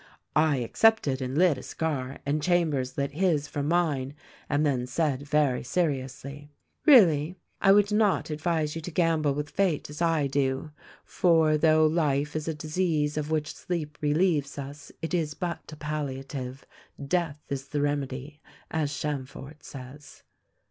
"I accepted and lit a cigar and Chambers lit his from mine, and then said very seriously, 'Really, I would not ad vise you to gamble with Fate as I do ; for, though life is a disease of which sleep relieves us ; it is but a palliative ; death is the remedy — as Chamfort says.'